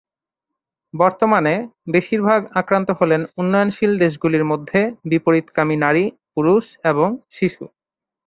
বর্তমানে, বেশিরভাগ আক্রান্ত হলেন উন্নয়নশীল দেশগুলির মধ্যে বিপরীতকামী নারী, পুরুষ এবং শিশু।